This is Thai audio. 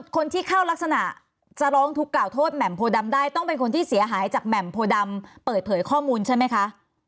คนที่เข้ารักษณะจะร้องทุกข์กล่าวโทษแหม่มโพดำได้ต้องเป็นคนที่เสียหายจากแหม่มโพดำเปิดเผยข้อมูลใช่ไหมคะ